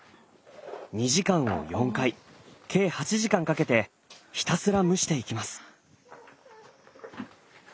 ２時間を４回計８時間かけてひたすら蒸していきます。